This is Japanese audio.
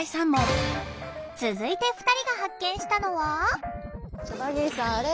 続いて２人が発見したのは。